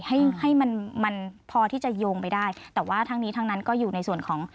ให้ให้มันมันพอที่จะโยงไปได้แต่ว่าทั้งนี้ทั้งนั้นก็อยู่ในส่วนของ